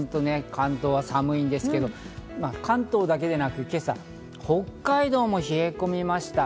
関東は寒いんですけど、関東だけでなく、今朝、北海道も冷え込みました。